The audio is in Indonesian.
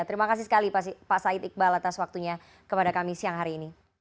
terima kasih sekali pak said iqbal atas waktunya kepada kami siang hari ini